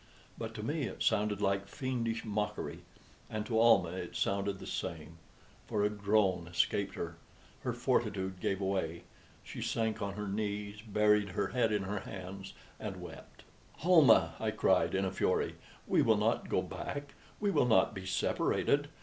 But to me it sounded like fiendish mockery, and to Almah it sounded the same; for a groan escaped her, her fortitude gave way, she sank on her knees, buried her head in her hands, and wept. "Almah," cried I, in a fury, "we will not go back we will not be separated!